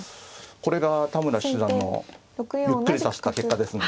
これが田村七段のゆっくり指した結果ですね。